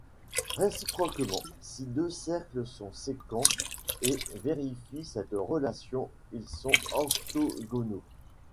Réciproquement, si deux cercles sont sécants et vérifient cette relation ils sont orthogonaux.